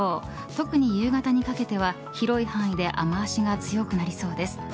特に夕方にかけては広い範囲で雨脚が強くなりそうです。